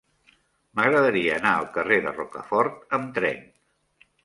M'agradaria anar al carrer de Rocafort amb tren.